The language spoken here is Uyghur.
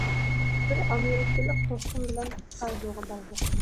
بىر ئامېرىكىلىق دوستۇم بىلەن ساھىلغا باردۇق.